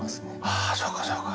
ああそうかそうか。